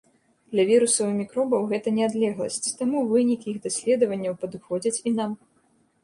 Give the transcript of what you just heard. Для вірусаў і мікробаў гэта не адлегласць, таму вынікі іх даследаванняў падыходзяць і нам.